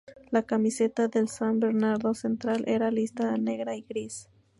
La camiseta del San Bernardo Central era listada negra y gris.